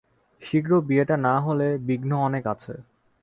শীঘ্র বিয়েটা না হলে বিঘ্ন অনেক আছে।